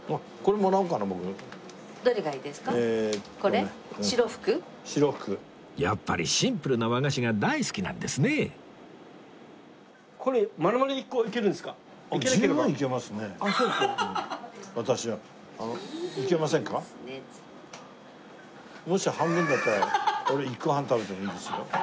もし半分だったら俺１個半食べてもいいですよ。